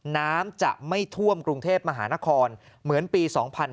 น้ำจะไม่ท่วมกรุงเทพมหานครเหมือนปี๒๕๕๙